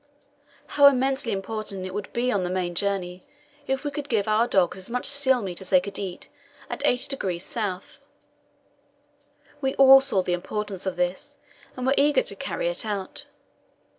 How immensely important it would be on the main journey if we could give our dogs as much seal meat as they could eat at 80° S.; we all saw the importance of this, and were eager to carry it out.